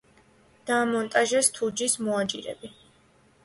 დაამონტაჟეს თუჯის მოაჯირები.